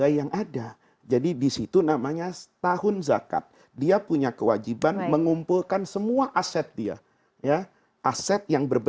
ini kita masuk agak jauh ya